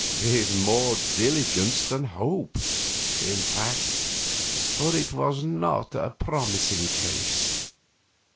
With more diligence than hope, in fact, for it was not a promising case.